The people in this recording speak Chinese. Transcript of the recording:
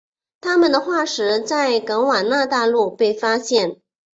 它们的化石在冈瓦纳大陆被发现。